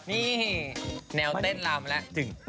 นี่แนวเต้นราวมาแล้ว